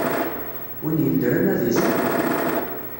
Win yeddren, ad iẓer.